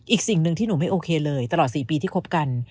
อีกสิ่งหนึ่งที่หนูไม่โอเคเลยตลอด๔ปีที่คบกัน